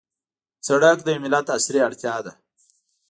سړک د یوه ملت عصري اړتیا ده.